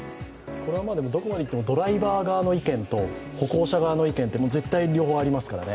これはどこまでいってもドライバー側の意見と歩行者側の意見と、絶対両方ありますからね。